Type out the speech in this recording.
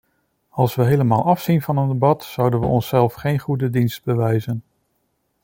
Als we helemaal afzien van een debat, zouden we onszelf geen goede dienst bewijzen.